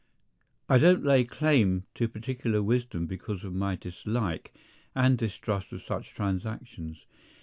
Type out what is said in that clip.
I don't lay claim to particular wisdom because of my dislike and distrust of such transactions.